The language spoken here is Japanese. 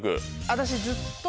私ずっと。